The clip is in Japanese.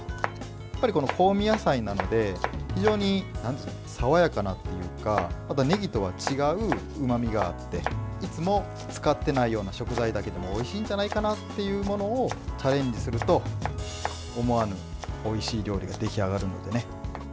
やっぱり香味野菜なので非常に爽やかなというかねぎとは違ううまみがあっていつも使ってないような食材だけどもおいしいんじゃないかなっていうものをチャレンジすると思わぬおいしい料理が出来上がるのでね。